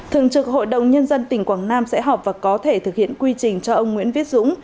thường trực hội đồng nhân dân tỉnh quảng nam sẽ họp và có thể thực hiện quy trình cho ông nguyễn viết dũng